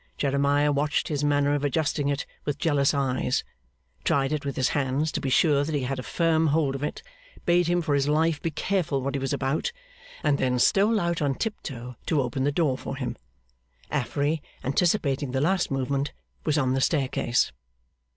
Jeremiah watched his manner of adjusting it, with jealous eyes; tried it with his hands, to be sure that he had a firm hold of it; bade him for his life be careful what he was about; and then stole out on tiptoe to open the door for him. Affery, anticipating the last movement, was on the staircase.